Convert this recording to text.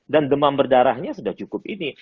dan demam berdarahnya sudah cukup ini